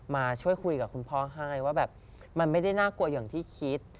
มาช่วยคุยกับคุณพ่อให้ว่าแบบมันไม่ได้น่ากลัวอย่างที่คิด